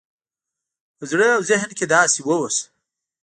په زړه او ذهن کې داسې واوسه